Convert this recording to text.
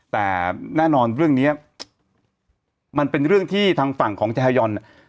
แต่แน่นอนเรื่องนี้มันเป็นเรื่องที่ทางฝั่งของแฮยอน